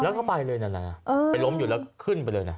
แล้วก็ไปเลยนะไปล้มอยู่แล้วขึ้นไปเลยนะ